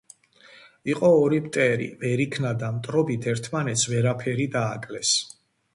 იყო ორი მტერი. ვერ იქნა და მტრობით ერთმანეთს ვერაფერი დააკლეს.